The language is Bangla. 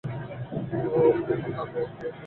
হ্যাঁ, প্রিয় সঙ্গই বলা চলে।